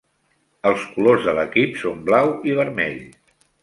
Els colors de l'equip són blau i vermell.